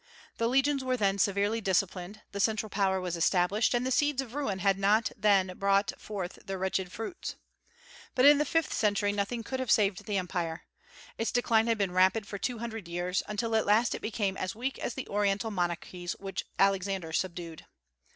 The Legions were then severely disciplined, the central power was established, and the seeds of ruin had not then brought forth their wretched fruits. But in the fifth century nothing could have saved the Empire. Its decline had been rapid for two hundred years, until at last it became as weak as the Oriental monarchies which Alexander subdued.